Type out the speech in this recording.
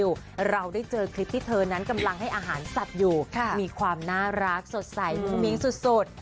อย่างนั้นกำลังให้อาหารสับอยู่มีความน่ารักสดใสมิ้งสุด